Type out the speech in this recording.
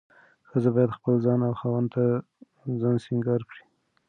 ښځه باید خپل ځان او خاوند ته ځان سينګار کړي.